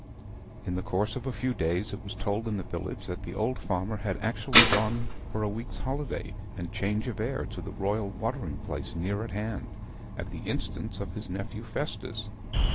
In the course of a few days it was told in the village that the old farmer had actually gone for a week's holiday and change of air to the Royal watering place near at hand, at the instance of his nephew Festus.